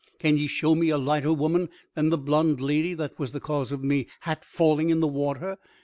Can ye show me a lighter woman than the blonde lady that was the cause of me hat falling in the water?